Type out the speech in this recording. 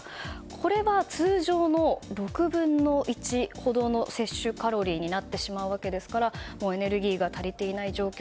これは通常の６分の１ほどの摂取カロリーになりますからエネルギーが足りていない状況